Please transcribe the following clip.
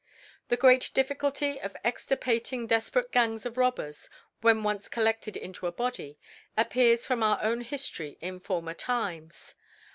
The great Difficulty of extirpating defperate Gangs of Robbers, when oncecolleded in to a Body, appears from our own Hiftory in former Times.